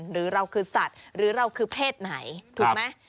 หรือเราคือสัตว์หรือเราคือเพศไหนถูกไหม